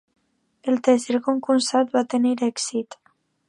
El tercer concursant va tenir èxit.